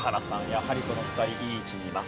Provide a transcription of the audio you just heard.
やはりこの２人いい位置にいます。